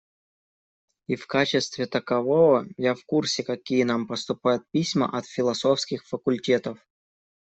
И в качестве такового я в курсе какие нам поступают письма от философских факультетов.